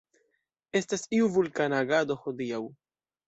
Estas iu vulkana agado hodiaŭ.